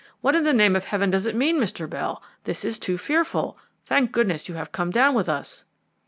What, in the name of Heaven, does it mean, Mr. Bell? This is too fearful. Thank goodness you have come down with us."